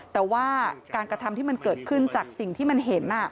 แต่ว่าการกระทำที่มันเกิดขึ้นจากสิ่งที่มันเห็น